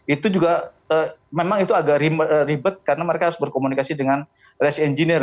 itu juga memang agak ribet karena mereka harus berkomunikasi dengan race engine